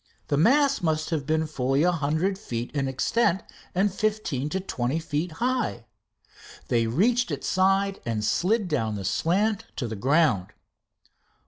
The mass must have been fully a hundred feet in extent and fifteen to twenty feet high. They reached its side and slid down the slant to the ground.